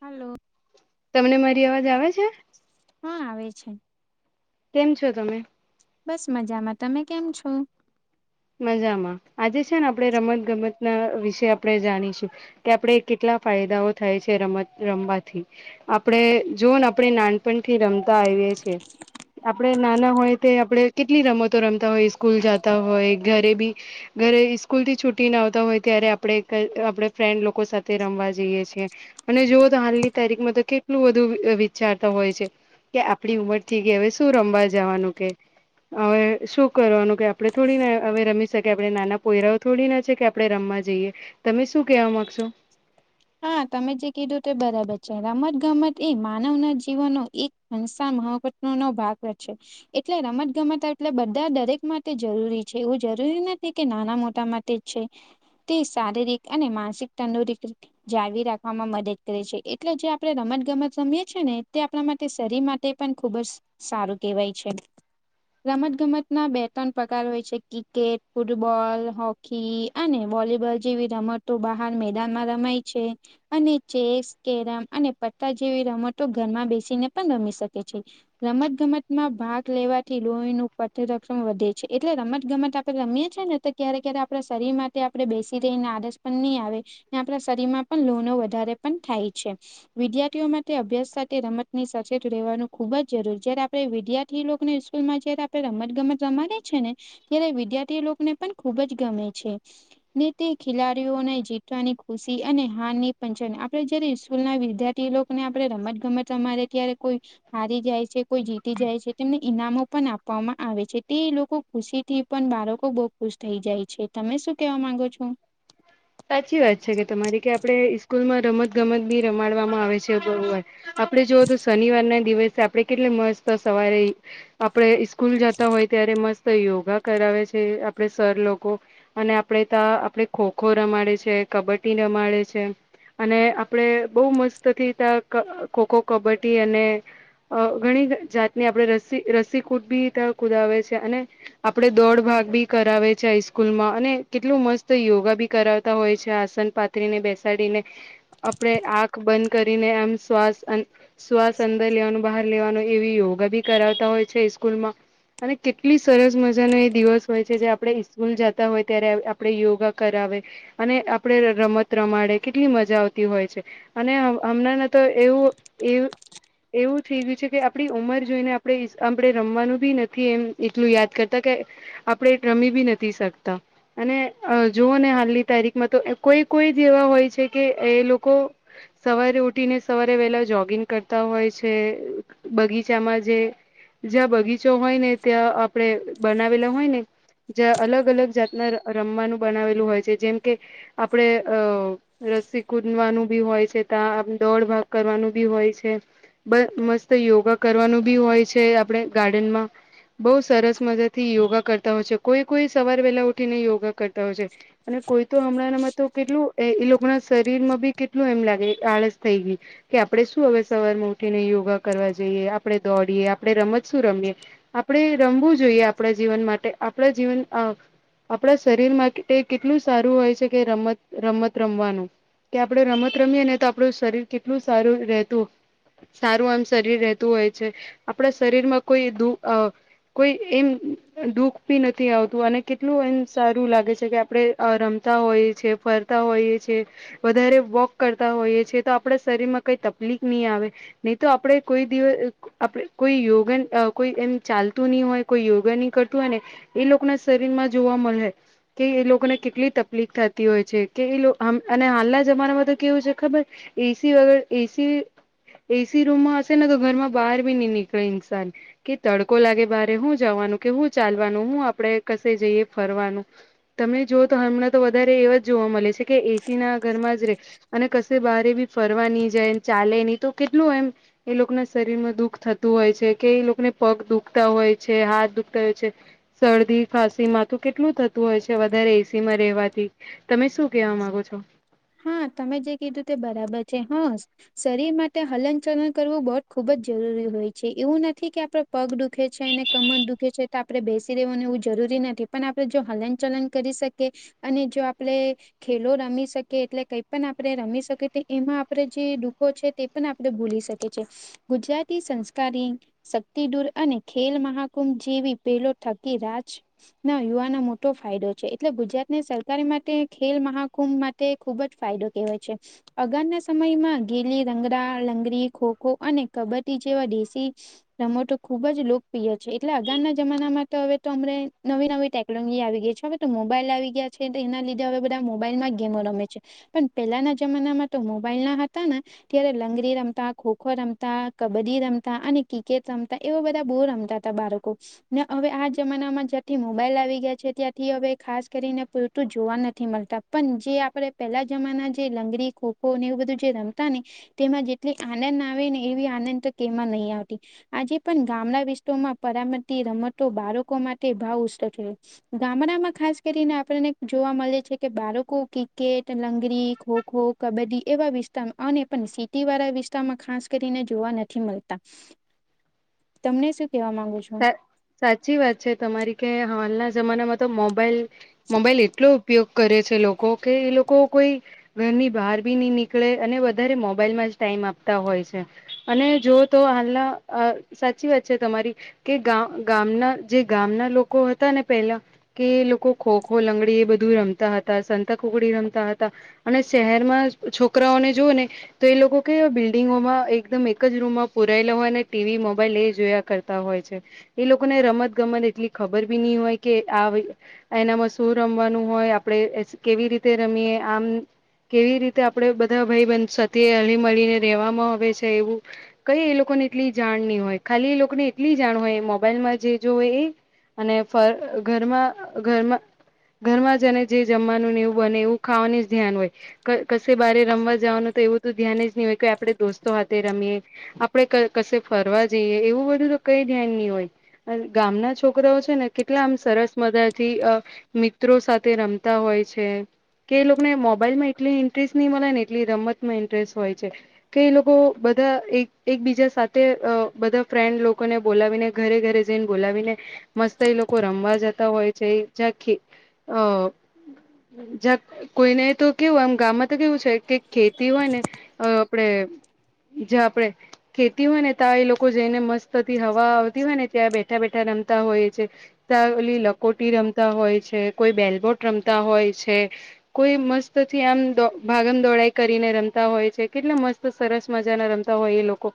Hello તમને મારી અવાજ આવે છે હા આવે છે કેમ છો તમે બસ મજામાં તમે કેમ છો મજામાં આજે છે ને આપણે રમત ગમત ના વિશે આપણે જાણીશું કે આપણેે કેટલા ફાયદાઓ થાય છે રમત રમવાથી આપણેે જોન આપણે નાનપણ થી રમતા આવીએ છીએ આપડે નાના હોય તે આપડણે કેટલી રમતો રમતા હોય સ્કૂલ જાતા હોય ઘરે બી ઘરે સ્કૂલ થી છુટી ના આવતા હોય ત્યારે આપણેે આપણે ફ્રેન્ડ લોકો સાથે રમવા જઈએ છ છેએ અને જોવ તો હાલની તારીખમાં તો કેટલું બધું વિચારતા હોય છે કે આપણી ઉંમર થઈ ગઈહવે શું રમવા જવાનું કે હવે શું કરવાનું કે આપડે થોડી ના હવે રમી શકે આપણે નાના પોયરાઓ થોડી ના છે કે આપણે રમવા જઈએ તમે શું કેવા માંગશો હા તમે જે કીધું તે બરાબર છે રમત ગમત એ માનવ ના જીવનનો એક હંસા મહવ ન નો ભાગ વધે એટલે રમત ગમત એટલે બધા દરેક માટે જરૂરી છે એવું જરૂરી નથી કે નાના મોટા માટે છે તે શારીરિક અને માનસિક તંદુરસ જાળવી રાખવામાં મદદ કરે છે એટલે જે આપણે રમત ગમત રમીએ છીએ ને તે આપણા માટે શરીર માટે તે પણ ખુબ જ સારું કહેવાય છે રમત ગમત ના બે ત્રણ પ્રકાર હોય છે ક્રિકેટ ફૂટબોલ હોકી અને વોલીબોલ જેવી રમતો બહાર મેદાનમાં રમાય છે અને ચેસ કેરમ અને પટ્ટા જેવી રમતો ઘરમાં બેસીને પણ રમી શકે છે રમત ગમતમાં ભાગ લેવાથી લોહીનું પથરક્ષણ વધે છે એટલે રમત ગમત આપણે રમીએ ને ક્યારે ક્યારે આપણા શરીર માટે આપણે બેસી રહીને આડસ પણ નહીં આવે આપણા શરીરમાં પણ લોનો વધારે પણ થાય છે વિદ્યાર્થીઓ માટે અભ્યાસ સાથે રમતની સચત રહેવાનું ખુબ જરૂરી જય્યારે આપણે વિદ્યાર લોકો ને સ્સ્કૂલ માં જયારે આપણે રમત ગમત રમાયી ને ત્યારે વિદ્યાર્થી લોકોને પણ ખુબ જ ગમે છે ને તે ખેલાડીઓને જીતવાની ખુશી અને હની પંચ આપણે જયારે સ્કૂલ ના વિદ્યાર્થી લોકોને આપણે રમત ગમત રમારે ત્યારે કોઈ હારી જાય છે કોઈ જીતી જાય છે તેમને ઈનામો પણ આપવામાં આવે છે તે લોકો ખુશી થી પણ બાળકો બહુ ખુશ થઈ જાય છે તમે શું કેવા માંગો છો સાચી વાત છે કે તમારી કે આપણે સ્સ્કૂલમાં રમત ગમત બી રમાડવામાં આવે છે તો વાર આપડે જોવ તો શનિવાર ના દિવસે આપડે કેટલી મસ્ત સવારે આપડે સ્કૂલ જતા હોય ત્યારે મસ્ત યોગા કરાવે છે આપડે સર લોકો અને આપડે ત્યા આપણે ખોખ ખો ખો રમાડે છે કબડ્ડી રમાડે છે અને આપડે બહ મસ્ત થી ત્યા ખોખો કબડ્ડી અને અ ઘણી જાતની આપણે રસી રસીકૂટ બી ત કુદાવે છે અને આપડે દોઢ ભાગ બી કરાવે છે હઈસ્કૂલમાં અને કેટલું મસ્ત યોગા બી કરાવતા હોય છે આસન પાથરી ને બેસાડીને આપણેે આંખ બંધ કરીને એમ શ્વાસ શ્વાસ અંદર લેવાનું બહાર લેવાનું એવી યોગા બી કરાવતા હોય છે સ્કૂલમાં અને કેટલી સરસ મજાનો એ દિવસ હોય છે જે આપડે ઇકૂલ જતા હોય ત્યારે આપડ યોગા કરાવે અને આપડે રમત રમાડે કેટલી મજા આવતી હોય છે અને હમણાંને તો એવું એું એવું થઈ ગયું છે કે આપણી ઉંમર જોઈને આપણે આપણે રમવાનું બી નથી એમ એટલું યાદ કરતા કે આપણે રમી બી નથી શકતા અને જોઓને હ લી તારીખ માં તો કોઈ કોઈ જેવા હોય છે કે એ લોકો સવારે ઉઠી ને સવારે વેલા જોગિંગ કરતા હોય છે બગીચામાં જે જ્યાં બગીચો હોય ને ત્યાં આપડણે બનાવેલા હોય ને જ અલગ અલગ જાતના રમવાનું બનાવેલું હોય છે જેમ કે આપડે અ રસી કૂદવાનું બી હોય છે ત દોડ ભાગ કરવાનું બી હોય છે બ મસ્ત યોગા કરવાનું બી હોય છે આપણે ગાર્ડનમાં બઉુ સરસ મજા થી યોગા કરતા હોય છે કોઈ કોઈ સવાર વેલા ઉઠીને યોગા કરતા હોય છે અને કોઈ તો હમણાં એનામાં તો કેટલું એ લોકો ના શરીર માં બી કેટલું એમ લાગે આળસ થઈ ગઈ કે આપણે શું હવે સવારમાં ઉઠીને યોગા કરવા જઈએ આપણે દોડીએ આપણે રમત શું રમીએ આપણે રમવું જોઈએ આપણા જીવન માટે આપણા જીવન આપણા શરીર માટે એક કેટલું સારું હોય છે કે રમત રમત રમવાનું કે આપડણે રમત રમીએ ને તો આપણું શરીર કેટલું સારું રહેતું સારું આમ શરીર રહેતું હોય છે આપણા શરીર માં કોઈ દુ કોઈ એમ દુઃખ પી નથી આવતું અને કેટલું એમ સારું લાગે છે કે આપડણે રમતા હોઈએ છીએ ફરતા હોઈએ છ છેીએ વધારે વોક કરતા હોઈએ છેએ તો આપણા શરીર માં કઈ તકલીફ નહી આવે નહી તો આપડે કોઈ દિવસ આપડ કોઈ યોગન કોઈ એમ ચાલતું નહી હોય કોઈ યોગન નહી કરતું હોય ને એ લોકો ના શરીર માં જોવા મળે કે એ લોકો લોકોને કેટલી તકલીફ થતી હોય છે કે અને હાલના જમાનામાં તો કેવું છે ખબર એસી વગર એસી એસી રૂમમાં હશે ને તો ઘર માં બહાર ભી નહી નીકળે ઇન્સાન કે તડકો લાગે બારે હું જવાનું કે હું ચાલવાનું હું આપણે કશે જઈએ ફરવાનું તમને જોુઓ તો હમણાં તો વધારે એવા જ જોવા મળે છે કે એસી ના ઘરમાં જ રહે અને કશે બહાર બી ફરવા નહી જાય ચાલે નહી તો કેટલું એમ એ લોકોના શરીરમાં દુઃખ થતું હોય છે કે એ લોકોને પગ દુખતા હોય છે હાથ દુખતા હોય છે શરદી ખાંસી માં તો કેટલું થતું હોય છે વધારે એસી માં રવાથી તમે શું કેવા માંગો છો હા તમે જે કીધું તે બરાબર છે હો શરીર માટે હલન ચલન કરવું બહ ખુબ જ જરૂરી હોય છે એવું નથી કે આપડ પગ દુખે છે ને કમર દુખે છે તો આપણે બેસી રહેેવાનું એવું જરૂરી નથી પણ આપણે જો હલન ચલન કરી શકે અને જો આપડ ખેલો રમી શકે એટલે કઈ પણ આપણે રમી શકી એમાં આપડણે જે ડખો છે તે એપણ આપણે ભૂલી શકીએ છએ ગુજરાતી સંસ્કારી શક્તિ દૂર અને ખેલ મહાકુંભ જેવી પેલો થકી રાજ ના યુવાનો મોટો ફાયદો છે. એટલે ગુજરાત ને સરકારી માટે ખેલ મહાકુંભ માટે ખુબ જ ફાયદો કેહેવાય છે. અગાઉના સમયમાં ગેલી રંગડા લંગડી ખોખો અને કબડ્ડી જેવા દેશી રમતો ખુબ જ લોકપ્રિય છે. એટલે આગારના જમાનામાં તો હવે અમને નવી નવી ટેક લંગી આવી ગઈ છે. હવે તો મોબાઈલ આવી ગયા છે. એના લીધે હાવે મોબાઈલ માં ગેમો રમે છે. પણ પેલાના જમાના માં તો મોબાઈલ ના હતા ને ત્યારે લંગરી રમતા ખોખો રમતા કબડ્ડી રમતા અને ક્રિકેટ રમતા એવા બધા બહુર રમતા હતા બાળકો, ને હાવે આ જમાનામાં જ્યાંથી મોબાઈલ આવી ગયા છે ત્યાંથી હવે ખાસ કરીને પૂરતું જોવા નથી થી મળતા પણ જે આપડે પેલા જમાના જે લંગરી ખોખો ને એવું બધું જે રમતા ને તેમાં જેટલી આનંદ આવે ને એ આનંદ તો કેમાં નહી આવતી આજે પણ ગામડા વિસ્તારમાં પરામતી રમતો બાળકો માટે ભાવ ઉષ્ છે. ગામડામાં ખાસ કરીને આપણને જોવા મળે છે કે બાળકો ક્રિકેટ લંગરી ખોખો કબડ્ડી એવા વિસ્તારમાં પણ શીખ તે વાળા વિસ્તારમાં ખાસ કરીને જોવા નથી મળતા. [inaudible] તમને શું કેવા માંગુ છું. હ સા સાચી વાત છે. તમારી કે હાલના જમાનામાં તો મોબાઈલ મોબાઈલ એટલું ઉપયોગ કરે છે. લોકો કે એ લોકો કોઈ ઘરની બહાર ભી નહી નીકળે અને વધારે મોબાઈલમાં જ ટાઈમ આપતા હોય છે. અને જો તો હાલના સાચી વાત છે. તમારી કે ગ ગામના જે ગામના લોકો હતા ને પેલા કે લોકો ખોખો લંગડી એ બધું રમતા હતા સંતા ખગડી રમતા હતા અને શહેર માં છોકરાઓને જોવ ને તો એ લોકો કે બિલ્ડિંગોમાં એકદમ એક જ રૂમમાં પુરાયેલા હોય અને ટીવી મોબાઈલ એ જોયા કરતા હોય છે. એ લોકોને રમત ગમત એટલી ખબર બી નહી હોય કે આ એનામાં શું રમવાનું હોય આપડે કેવી રીતે રમીએ આમ કેવી રીતે આપડે બધા ભાઈ બન સાથે હળી મળીને રેવામાં આવે છે. એવું કઈ એ લોકો ને એટલી જાણ નહી હોય ખાલી એ લોકો ને કેટલી જાણ હોય મોબાઈલમાં જે જો હોય એ અને ઘરમાં ઘરમાં ઘરમાં જ અને જે જમવાનું ને એવું બને એવું ખાવાનું જ ધ્યાન હોય કશે બારે રમવા જવાનું તો એવું તો ધ્યાન જ નહી હોય કે આપડે દોસ્તો હાથે રમીએ આપડે કશે ફરવા જઈએ એવું બધું કઈ ધ્યાન નહી હોય ગામના છોકરાઓ છે ને કેટલા આમ સરસ મજા થી મિત્રો સાથે રમતા હોય છે. કે એ લોકોને મોબાઈલમાં એટલી ઇન્ટરેસ્ટ નહી મળે ને એટલી રમતમાં ઇન્ટરેસ્ટ હોય છે. કે એ લોકો બધા એક એકબીજા સાથે બધા ફ્રેન્ડ લોકોને બોલાવીને ઘરે ઘરે જઈને બોલાવીને મસ્ત એ લોકો રમવા જતા હોય છે જ્યાી કોઈને તો કેવું આમ ગામમાં તો કેવું છે. કે ખેતી હોય ને આપડે જ આપડે ખેતી હોય ને ત એ લોકો જઈને મસ્ત થી હવા આવતી હોય ને ત્યાં બેઠા બેઠા રમતા હોય છે. લી લકોટી રમતા હોય છે કોઈ બેલબોટ રમતા હોય છે. કોઈ મસ્ત થી આમ ભાગમ દોડાઈ કરીને રમતા હોય છે કેટલે મસ્ત સરસ મજા ના રમતા હોય એ લોકો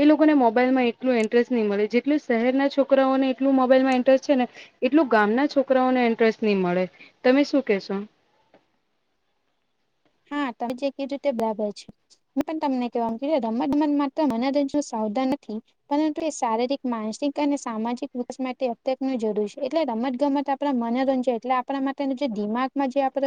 એ લોકો ને મોબાઈલ માં એટલું ઇન્ટરેસ્ટ નહીં મળે જેટલું શહેરના છોકરાઓને એટલ મોબાઈલ માં ઇન્ટરેસ્ટ છે. ને એટલું ગામના છોકરાઓને ન્ટરેસ્ટ નહી મળે તમે શું કેશો હા તમે જે કવી રીતે બરાબર છે પણ તમને કેહેવાવામાં રમતગમત માત્ર મનેદું સાવધાન નથી પરંતુ એ શારીરિક માનસિક અને સામાજિક દસ માટે અત્યક ન જરૂર છે એટલે રમત ગમત આપ મનોરંજન એટલે આપણા માટેનો જે દિમાગમાં જે આપડ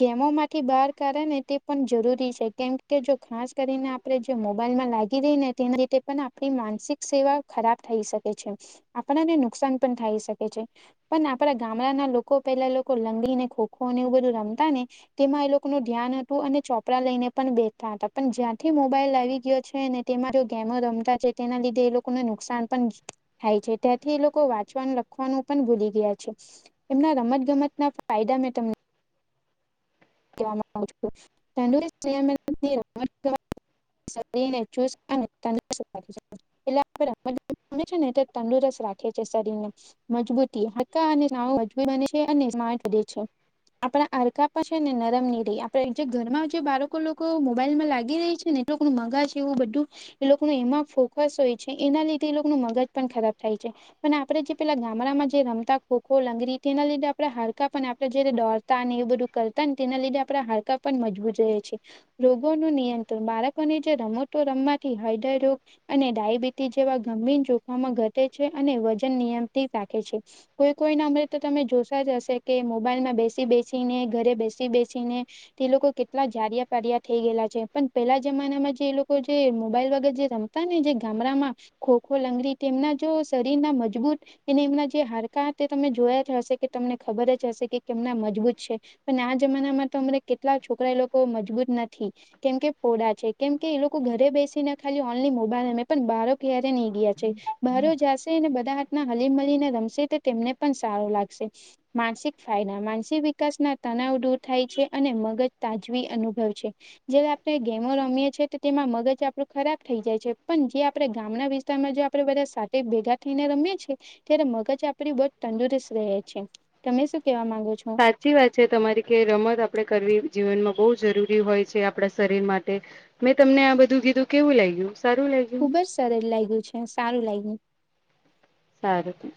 ગેમોમાંથી બહાર કાર તે પણ જરૂરી છે કેમ કે જો ખાસ કરીને આપણે જે મોબાઈલ માં લાગી રહી ને તેની પણ આપણી માનસિક સેવા ખરાબ થઈ શકે છે આપણાને નુકસાન પણ થાય શકે છે પણ આપડા ગામડાના લોકો પેલા લોકો લંગી ને ખોખોને એવું બધું રમતા ને તેમાં એ લોકો નું ધ્યાન હતું અને ચોપરા લઈને પણ બેઠતા હતા પણ જ્યાંથી મોબાઈલ આવી ગયો છેને તેમાં જે ગેમો રમતા છે તેના લીધે એ લોકોને નુકસાન પણ થાય છે ત્યાંથી એ લોકો વાંચવાનું લખવાનું પણ ભૂલી ગયા છે એમના રમત ગમત ના ફાયદા મેં તમને આવ સને ચસ અને ત એટલે આપ ગમે છે ને એ તંદુરસ્ત રાખીએ છીએ શરીર ને મજબૂતી હકા અને મજબૂત બને છે અનેે છે આપણા હકાછ ને નરમ નહીં રહી આપે જે ઘરમાં જે બાળકો લોકો મોબાઈલમાં લાગી રહી છે ને એટું મગા છે એવું બધું એ લોકોનું એમાં ફોકસ હોય છે એના લીધે એ લોકોનું મગજ પણ ખરાબ થાય છે પણ આપડે જે પેલા ગામડામાં જે રમતા ખોખો લંગરી તેના લીધે આપડે હડકાં પણ આપણે જે દોડતા અને એ બધું કરતા ને તેના લીધે આપણા હાડકાં પણ મજબૂત રહે છે રોગોનું નિયંત્રણ બાળકોને જે રમતો રમવાથી હાયડર રોગ- - અને ડાયાબિટીસ જેવા ગંભીર જોખમમાં ઘટે છે અને વજન નિયમથી રાખે છે. કોઈ કોઈ ના અમરે તો તમે જોશ જ હશે કે મોબાઈલ માં બેસી બેસીને- - ઘરે બેસી બેસી ને- - તે લોકો કેટલા જાર પારયા થઈ ગયેલા છે પણ પેલા જમાનામાં જે એ લોકો જે મોબાઈલ વગર જે રમ- - હતા ને જે ગામડામાં ખોખો લંગડી તેમના જો શરીર ના મજબૂત- - એને એમના જે હાડકા તે તમે જોયા જ હશે કે તમને ખબર જ હશે કે કેમના મજબૂત છે. પણ આ જમાના માં તો અમરે કેટલા છોકરા એ લોકો મજબૂત નથી. કેમ કે ફોડા છે કેમ કે એ લોકો ઘરે બેસીને ખાલી ઓનલાન મોબાઈલમે પણ બાળ- - ક્યારે નહી ગયા છે બહાર જશે ને બધા- - હલીમલીને રમશે તે તેમને પણ સારો લાગશે માનસિક ફાયદા માનસિક વિકાસના- - તનાવ દૂર થાય છે અને મગજ તાજવી અનુભવ છે. જે આપણે ગેમો રમીએ છે તેમાં મગજ આપણું ખરાબ થઈ જાય છે પણ જે આપણે ગામના વિ- - સ્ જો આપે બધા સાથે ભેગા થઈને રમએ છીએ ત્યારે મગજ આપડી બહ જ તંદુરસ્ત રહે છે. તમે શું કેવા માગો છો? સાચી વાત છે તમારી કે રમત આપણે કરવી જીવનમાં બહુ જરૂરી હોય છે આપણા શરીર માટે- - મેં તમને આ બધું કીધું કેવું લાગ્યું સારું લાગ્યું? ખુબ જ સરળ લાગ્યું છે સારું લાગ્યું. સાધું.